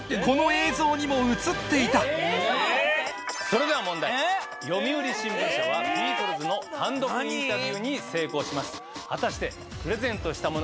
実は読売新聞社はビートルズの単独インタビューに成功します。